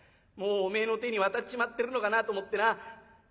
もうおめえの手に渡っちまってるのかなと思ってな。